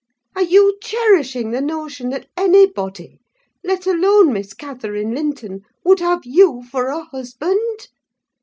Are you cherishing the notion that anybody, let alone Miss Catherine Linton, would have you for a husband?